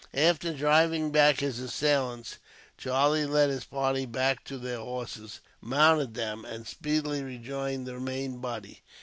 After driving back his assailants, Charlie led his party back to their horses, mounted them, and speedily rejoined the main body.